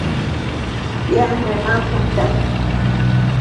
Yande makuta.